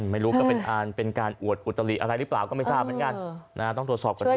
ไม่รู้ก็เป็นการอวดอุตลิอะไรหรือเปล่าก็ไม่ทราบเหมือนกันต้องตรวจสอบกันด้วย